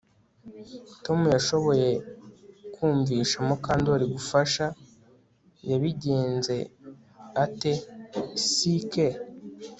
Tom yashoboye kumvisha Mukandoli gufasha Yabigenze ate CK